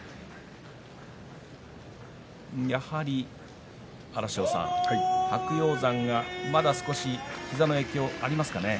やはり白鷹山がまだ少し膝の影響がありますか。